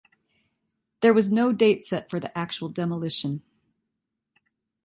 There was no date set for the actual demolition.